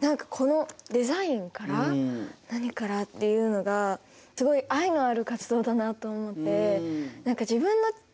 何かこのデザインから何からっていうのがすごい愛のある活動だなと思って自分はですね